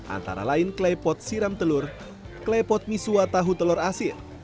antara lain klepot siram telur klepot misua tahu telur asin